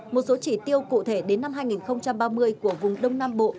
một số chỉ tiêu cụ thể đến năm hai nghìn ba mươi của vùng đông nam bộ